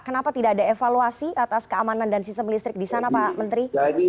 kenapa tidak ada evaluasi atas keamanan dan sistem listrik di sana pak menteri